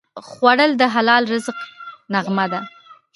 خوړل د حلال رزق نغمه ده